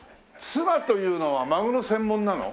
ツナというのはマグロ専門なの？